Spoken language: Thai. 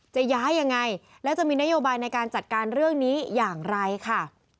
จะย้ายยังไงแล้วจะมีนโยบายในการจัดการเรื่องนี้อย่างไรค่ะ